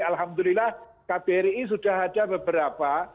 alhamdulillah kbri sudah ada beberapa